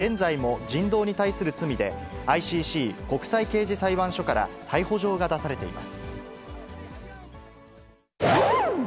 その後、釈放されていますが、現在も人道に対する罪で、ＩＣＣ・国際刑事裁判所から逮捕状が出されています。